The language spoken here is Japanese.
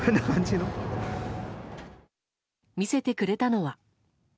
見せてくれたのは。